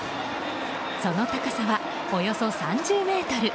その高さはおよそ３０ｍ。